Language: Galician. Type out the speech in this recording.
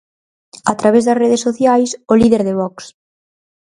A través das redes sociais, o líder de Vox.